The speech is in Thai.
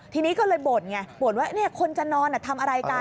ทีนี้ก็เลยบ่นไงบ่นว่าคนจะนอนทำอะไรกัน